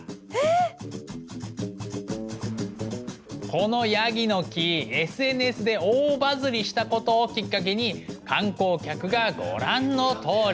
このヤギの木ＳＮＳで大バズりしたことをきっかけに観光客がご覧のとおり。